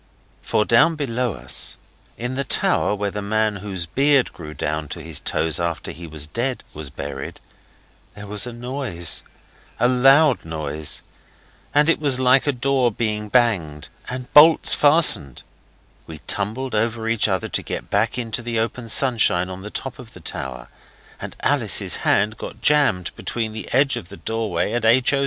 For, down below us, in the tower where the man whose beard grew down to his toes after he was dead was buried, there was a noise a loud noise. And it was like a door being banged and bolts fastened. We tumbled over each other to get back into the open sunshine on the top of the tower, and Alice's hand got jammed between the edge of the doorway and H. O.